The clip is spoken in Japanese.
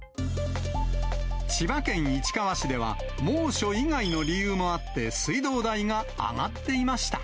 千葉県市川市では、猛暑以外の理由もあって、水道代が上がっていました。